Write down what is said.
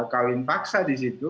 kawin paksa disitu